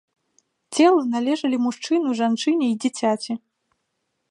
Целы належалі мужчыну, жанчыне і дзіцяці.